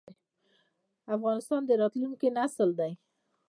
افغانستان د راتلونکي نسل دی؟